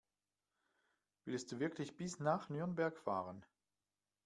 Willst du wirklich bis nach Nürnberg fahren?